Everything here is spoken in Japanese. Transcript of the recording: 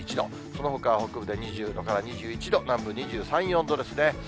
そのほかは北部で２０度から２１度、南部２３、４度ですね。